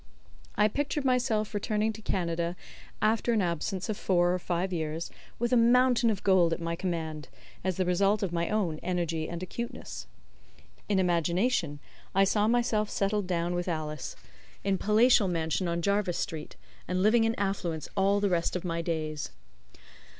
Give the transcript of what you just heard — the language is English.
I pictured myself returning to Canada after an absence of four or five years with a mountain of gold at my command, as the result of my own energy and acuteness. In imagination, I saw myself settled down with Alice in a palatial mansion on Jarvis Street, and living in affluence all the rest of my days.